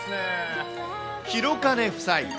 廣兼夫妻。